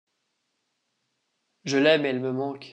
Je l’aime et elle me manque.